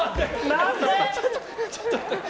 何で？